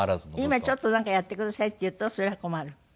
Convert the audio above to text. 今ちょっとなんかやってくださいっていうとそれは困る？